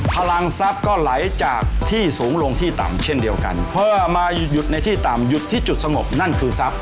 พลังทรัพย์ก็ไหลจากที่สูงลงที่ต่ำเช่นเดียวกันเพื่อมาหยุดในที่ต่ำหยุดที่จุดสงบนั่นคือทรัพย